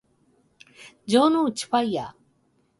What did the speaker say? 城之内ファイアー